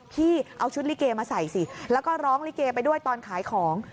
พี่เอาชุดลิเกมาใส่สิแล้วก็ร้องลิเกไปด้วยตอนขายของ